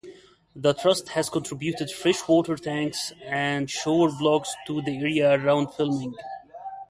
The Trust has contributed freshwater tanks and shower blocks to the areas around filming.